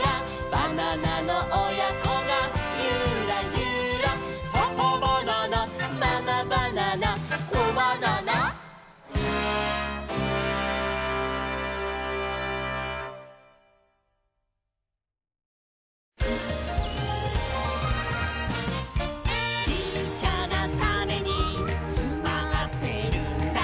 「バナナのおやこがユラユラ」「パパバナナママバナナコバナナ」「ちっちゃなタネにつまってるんだ」